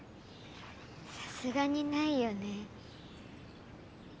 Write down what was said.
さすがにないよね。